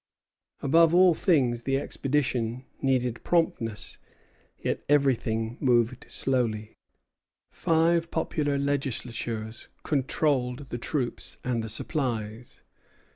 Above all things the expedition needed promptness; yet everything moved slowly. Five popular legislatures controlled the troops and the supplies.